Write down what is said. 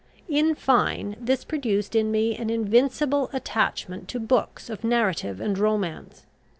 In fine, this produced in me an invincible attachment to books of narrative and romance.